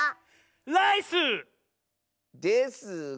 ライス！ですが。